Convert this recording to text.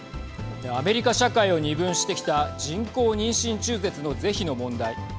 アメリカ社会を二分してきた人工妊娠中絶の是非の問題。